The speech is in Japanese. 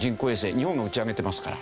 日本が打ち上げてますから。